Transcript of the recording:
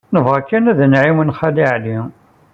Nebɣa kan ad nɛawen Xali Ɛli.